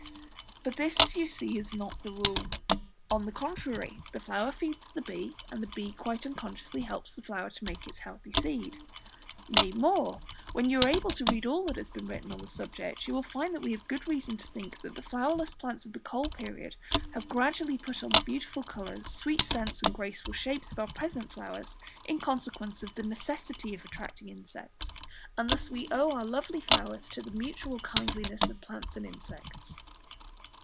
But this, as you see, is not the rule. On the contrary, the flower feeds the bee, and the bee quite unconsciously helps the flower to make its healthy seed. Nay more; when you are able to read all that has been written on this subject, you will find that we have good reason to think that the flowerless plants of the Coal Period have gradually put on the beautiful colours, sweet scent, and graceful shapes of our present flowers, in consequence of the necessity of attracting insects, and thus we owe our lovely flowers to the mutual kindliness of plants and insects.